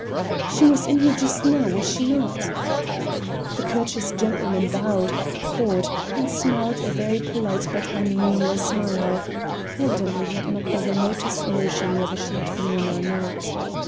"She was in here just now, was she not?" The courteous gentleman bowed, hawed, and smiled a very polite but unmeaning smile. Evidently he had not the remotest notion whether she had been in or not.